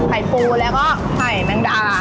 ไข่ปูแล้วก็ไข่แมงดา